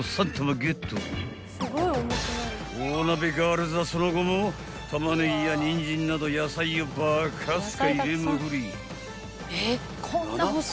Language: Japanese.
［大鍋ガールズはその後もタマネギやニンジンなど野菜をバカスカ入れまくり］